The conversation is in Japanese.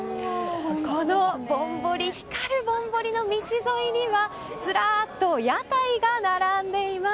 このぼんぼりが光る道沿いにはずらっと屋台が並んでいます。